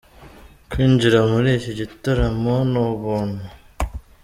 Kwinjira muri iki gitaramo ni ubuntu.